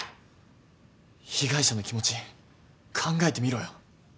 被害者の気持ち考えてみろよ。